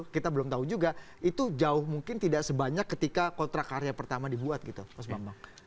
kita belum tahu juga itu jauh mungkin tidak sebanyak ketika kontrak karya pertama dibuat gitu mas bambang